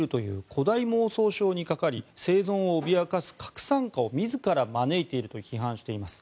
誇大妄想症にかかり生存を脅かす核惨禍を自ら招いていると批判しています。